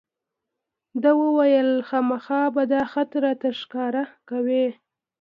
ده وویل خامخا به دا خط راته ښکاره کوې.